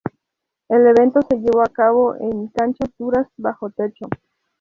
El evento se llevó a cabo en canchas duras bajo techo.